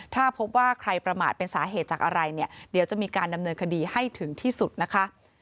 ถ้าพบว่าใครประมาทเป็นสาเหตุจากอะไรเนี่ยเดี๋ยวจะมีการดำเนินคดีให้ถึงที่สุดนะคะ